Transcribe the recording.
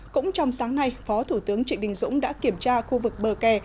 cũng trong sáng nay phó thủ tướng trịnh đình dũng đã kiểm tra khu vực bờ kè